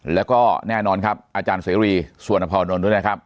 แล้วก็แน่นอนครับอาจารย์เสรีสุวรรณภานนท์ด้วยนะครับ